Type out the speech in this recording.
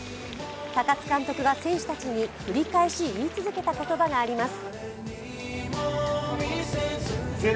高津監督が選手たちに繰り返し言い続けた言葉があります。